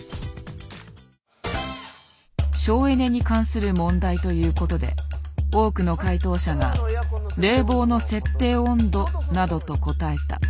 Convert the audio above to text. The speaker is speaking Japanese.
省エネに関する問題ということで多くの解答者が「冷房の設定温度」などと答えた。